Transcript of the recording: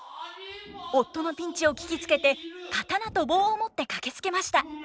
夫のピンチを聞きつけて刀と棒を持って駆けつけました。